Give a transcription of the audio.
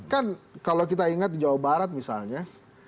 kan kalau kita ingat di jawa barat misalnya